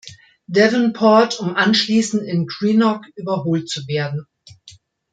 Devonport, um anschließend in Greenock überholt zu werden.